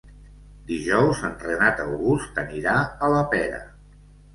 Dijous en Renat August anirà a la Pera.